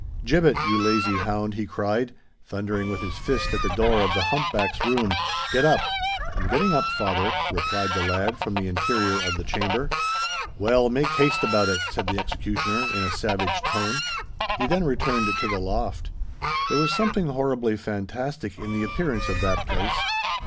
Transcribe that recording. "Gibbet, you lazy hound!" he cried, thundering with his fist at the door of the hump back's room; "get up." "I'm getting up, father," replied the lad, from the interior of the chamber. "Well, make haste about it," said the executioner in a savage tone. He then returned to the loft. There was something horribly fantastic in the appearance of that place.